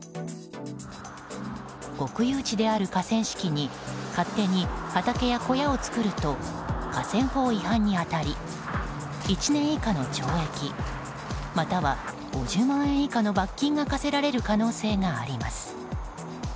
国有地である河川敷に勝手に畑や小屋を作ると河川法違反に当たり１年以下の懲役または５０万円以下の罰金が科せられる可能性があります。